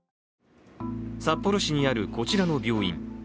札幌市にあるこちらの病院。